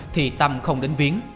thì tâm không đến viến